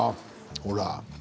ほら。